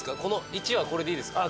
位置はこれでいいですか？